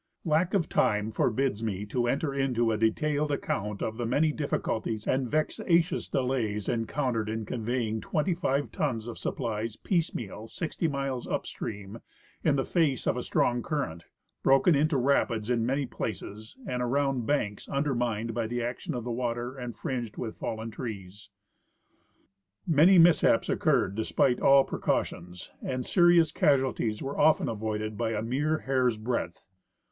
Lack of time forbids me to enter into a detailed account of the many difficulties and vexatious delays encountered in conveying 25 tons of supplies piecemeal 60 miles upstream in the face of a strong current, broken into rapids in many places, and around banks undermined by the action of the water and fringed with fallen trees. Many mishaps occurred despite all precautions, and serious casualties Avere often avoided by a mere hair's breadth.